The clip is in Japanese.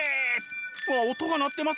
わっ音が鳴ってますね。